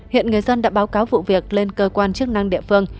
hiện người dân đã báo cáo vụ việc lên cơ quan chức năng địa phương